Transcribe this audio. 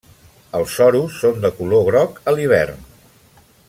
Els sorus són de color groc a l'hivern.